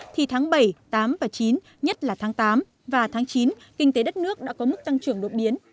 thì tháng bảy tám và chín nhất là tháng tám và tháng chín kinh tế đất nước đã có mức tăng trưởng đột biến